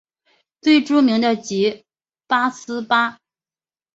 最著名的即八思巴。